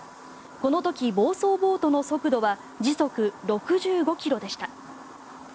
この時、暴走ボートの速度は時速６５ｋｍでした。